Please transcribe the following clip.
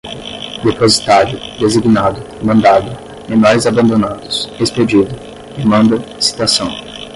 depositário, designado, mandado, menores abandonados, expedido, demanda, citação